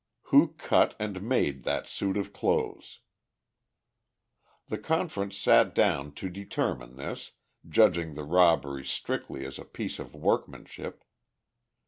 Who cut and made that suit of clothes? The conference sat down to determine this, judging the robbery strictly as a piece of workmanship.